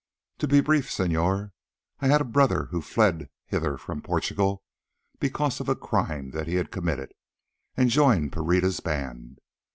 To be brief, senor, I had a brother who fled hither from Portugal because of a crime that he had committed, and joined Pereira's band.